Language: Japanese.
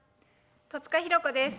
戸塚寛子です。